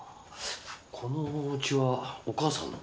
このお家はお母さんの？